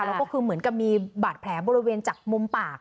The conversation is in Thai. แล้วก็คือเหมือนกับมีบาดแผลบริเวณจากมุมปาก